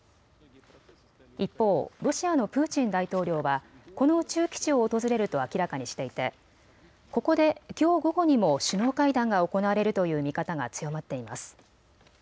一方、ロシアのプーチン大統領はこの宇宙基地を訪れると明らかにしていてここできょう午後にも首脳会談が行われるという見方が強まっています。